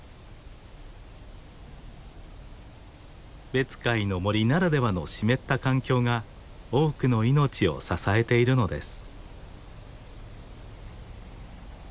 別海の森ならではの湿った環境が多くの命を支えているのです。